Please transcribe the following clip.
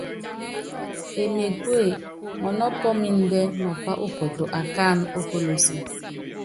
Emegúe, mɔnɔ́ pɔ́ɔmindɛ mapá ukɔtɔ akáánɛ ókolose.